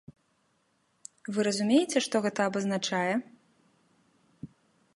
Вы разумееце, што гэта абазначае?